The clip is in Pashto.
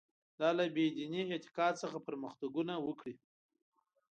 دا بې له دیني اعتقاد څخه پرمختګونه وکړي.